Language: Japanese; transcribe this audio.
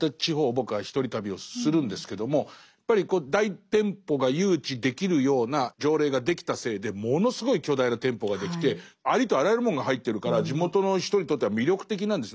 僕は一人旅をするんですけどもやっぱり大店舗が誘致できるような条例ができたせいでものすごい巨大な店舗ができてありとあらゆるもんが入ってるから地元の人にとっては魅力的なんです。